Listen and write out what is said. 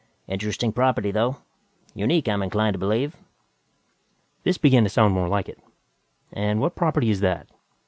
Interesting property, though. Unique, I am inclined to believe." This began to sound more like it. "And what property is that?"